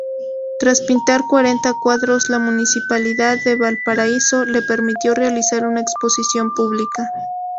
Tras pintar cuarenta cuadros, la Municipalidad de Valparaíso le permitió realizar una exposición pública.